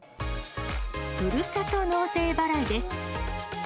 ふるさと納税払いです。